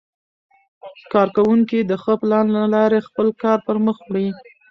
کارکوونکي د ښه پلان له لارې خپل کار پرمخ وړي